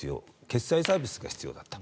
決済サービスが必要だった。